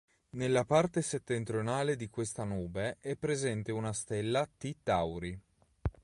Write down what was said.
Nella parte settentrionale di questa nube è presente una stella T Tauri.